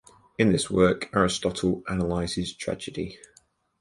In this work Aristotle analyzes tragedy.